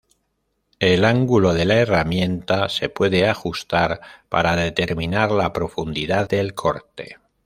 El ángulo de la herramienta se puede ajustar para determinar la profundidad del corte.